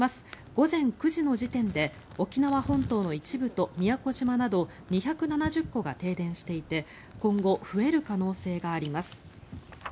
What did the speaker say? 午前９時の時点で沖縄本島の一部と宮古島など２７０戸が停電していて今後増える可能性があります。